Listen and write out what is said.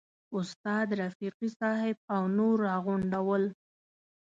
استاد رفیقي صاحب او نور راغونډ ول.